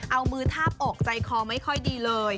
เอามือทาบอกใจคอไม่ค่อยดีเลย